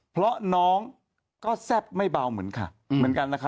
เพราะน้องก็แซ่บไม่เบาเหมือนค่ะเหมือนกันนะคะ